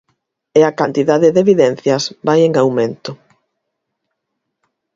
E a cantidade de evidencias vai en aumento.